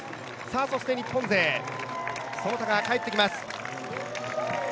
そして、日本勢、其田が帰ってきます。